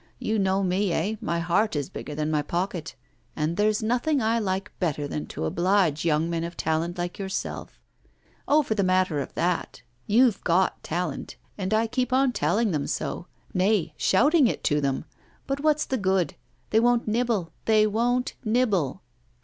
You know me, eh? my heart is bigger than my pocket, and there's nothing I like better than to oblige young men of talent like yourself. Oh, for the matter of that, you've got talent, and I keep on telling them so nay, shouting it to them but what's the good? They won't nibble, they won't nibble!